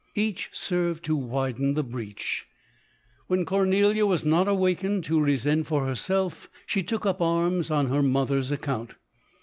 Each served to widen the breach. When Cornelia was not awakened to resent for herself, she took up arms on her mother's account.